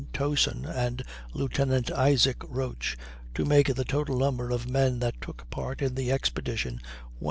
Towson and Lieutenant Isaac Roach, to make the total number of men that took part in the expedition 124.